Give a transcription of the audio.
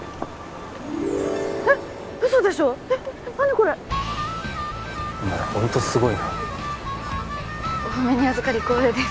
これお前ホントすごいなお褒めにあずかり光栄です